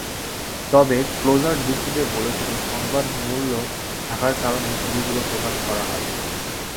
তবেক্লোজার যুক্তি দিয়ে বলেছিল, সংবাদমূল্য থাকার কারণেই ছবিগুলো প্রকাশ করা হয়।